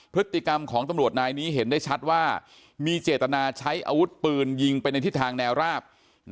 พฤติกรรมของตำรวจนายนี้เห็นได้ชัดว่ามีเจตนาใช้อาวุธปืนยิงไปในทิศทางแนวราบ